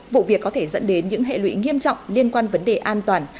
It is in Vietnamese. vụ việc có thể dẫn đến những hệ lụy nghiêm trọng liên quan vấn đề an toàn